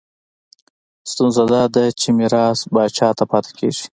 ستونزه دا ده چې میراث پاچا ته پاتې کېږي.